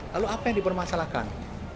lalu apa yang dipermasalahkan